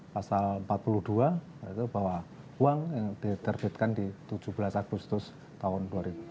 pasal empat puluh dua itu bahwa uang yang diterbitkan di tujuh belas agustus tahun dua ribu dua puluh